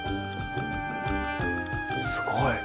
すごい。